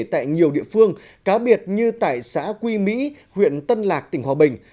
tại nhiều địa phương cá biệt như tại xã quy mỹ huyện tân lạc tỉnh hòa bình